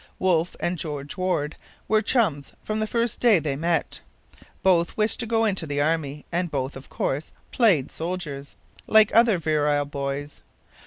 Wolfe and George Warde were chums from the first day they met. Both wished to go into the Army; and both, of course, 'played soldiers,' like other virile boys.